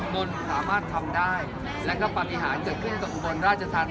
ตนสามารถทำได้และก็ปฏิหารเกิดขึ้นกับอุบลราชธรรม